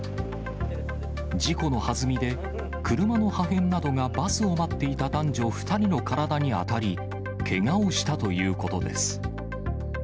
事故のはずみで、車の破片などがバスを待っていた男女２人の体に当たり、けがをしたということです。